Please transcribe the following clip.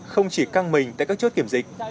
không chỉ căng mình tại các chốt kiểm dịch